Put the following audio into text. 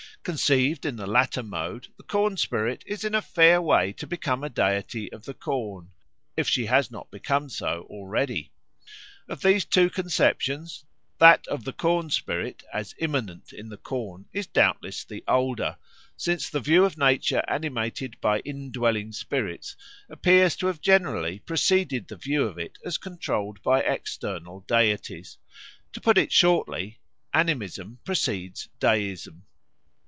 Conceived in the latter mode the corn spirit is in a fair way to become a deity of the corn, if she has not become so already. Of these two conceptions, that of the cornspirit as immanent in the corn is doubtless the older, since the view of nature as animated by indwelling spirits appears to have generally preceded the view of it as controlled by external deities; to put it shortly, animism precedes deism.